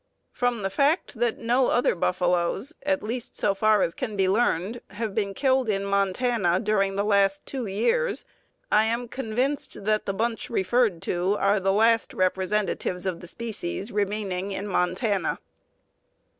From the fact that no other buffaloes, at least so far as can be learned, have been killed in Montana during the last two years, I am convinced that the bunch referred to are the last representatives of the species remaining in Montana.